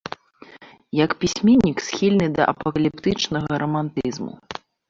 Як пісьменнік схільны да апакаліптычнага рамантызму.